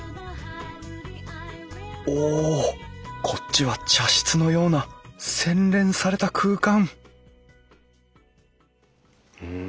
おこっちは茶室のような洗練された空間うん